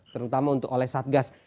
terutama untuk oleh satgas